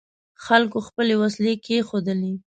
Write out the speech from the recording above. خلکو خپلې وسلې کېښودلې.